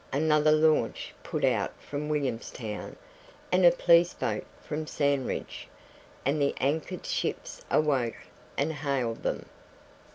Another launch put out from Williamstown, and a police boat from Sandridge, and the anchored ships awoke and hailed them.